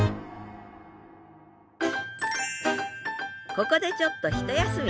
ここでちょっとひと休み。